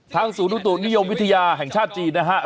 ทางศูนย์ธุตุนิยมวิทยาแห่งชาติจีนนะครับ